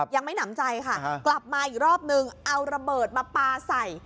ยังไม่หนำใจค่ะกลับมาอีกรอบนึงเอาระเบิดมาปลาใส่